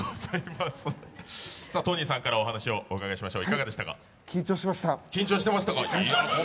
トニーさんからお話をお伺いしましょう。